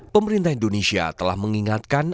pemerintah indonesia telah mengingatkan